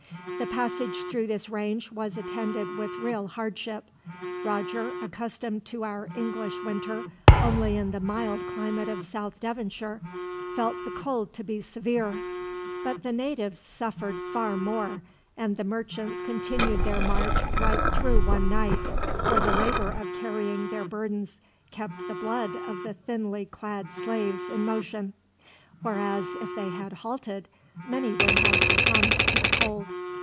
The passage through this range was attended with real hardship. Roger, accustomed to our English winter only in the mild climate of South Devonshire, felt the cold to be severe; but the natives suffered far more, and the merchants continued their march right through one night, for the labor of carrying their burdens kept the blood of the thinly clad slaves in motion; whereas, if they had halted, many would have succumbed to the cold.